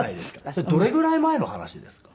それどれぐらい前の話ですか？